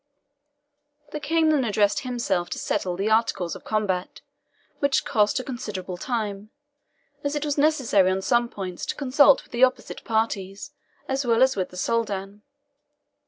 The King then addressed himself to settle the articles of combat, which cost a considerable time, as it was necessary on some points to consult with the opposite parties, as well as with the Soldan.